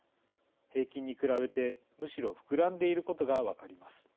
平均に比べて、むしろ膨らんでいることが分かります。